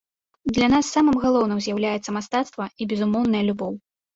Для нас самым галоўным з'яўляецца мастацтва і безумоўная любоў.